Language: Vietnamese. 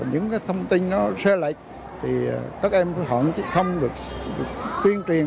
những thông tin nó xe lệch thì tụi em cứ hỏi chứ không được tuyên truyền